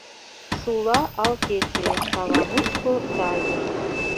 Шула ал кече, кава мучко тайнышт.